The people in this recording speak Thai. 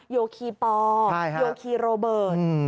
โยคีปอโยคีโรเบิร์ต